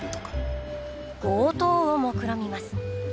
強盗をもくろみます。